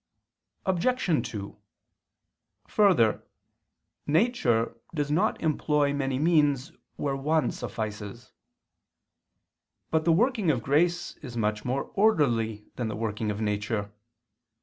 Obj. 2: Further, nature does not employ many means where one suffices. But the working of grace is much more orderly than the working of nature.